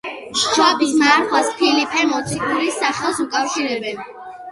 შობის მარხვას ფილიპე მოციქულის სახელს უკავშირებენ.